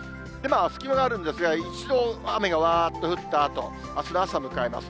隙間があるんですが、一瞬、雨がわーっと降ったあと、あすの朝迎えます。